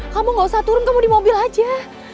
kamu gak usah turun kamu di mobil aja